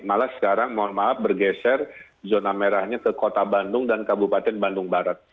malah sekarang mohon maaf bergeser zona merahnya ke kota bandung dan kabupaten bandung barat